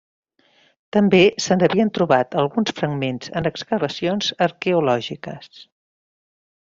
També se n'havien trobat alguns fragments en excavacions arqueològiques.